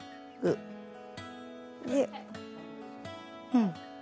うん。